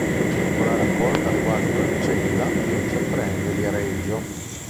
Con la raccolta "Quasi una vicenda" vince il Premio Viareggio.